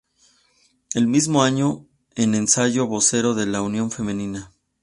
El mismo año, en "Ensayo", vocero de la Unión Femenina.